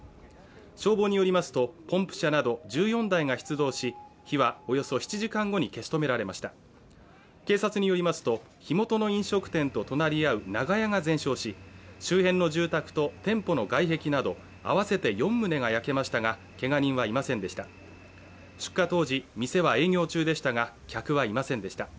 消防によりますとポンプ車など１４台が出動し火はおよそ７時間後に消し止められました警察によりますと火元の飲食店と隣り合う長屋が全焼し周辺の住宅と店舗の外壁など合わせて四棟が焼けましたがけが人はいませんでした出火当時店は営業中でしたが客はいませんでした